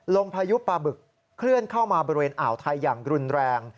พายุปลาบึกเคลื่อนเข้ามาบริเวณอ่าวไทยอย่างรุนแรง